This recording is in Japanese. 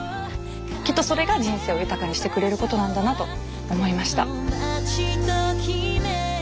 きっとそれが人生を豊かにしてくれることなんだなと思いました。